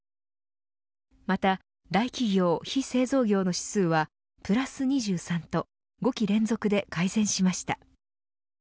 また大企業、非製造業の指数はプラス２３と５期連続で改善しました。